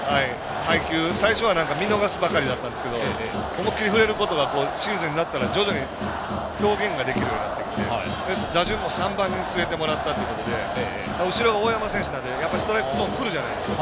最初は見逃すばかりでしたが思い切り振れることがシーズンになったら、徐々に表現ができるようになってきて打順も３番に据えてもらったということでやっぱり、ストライクゾーンくるじゃないですか。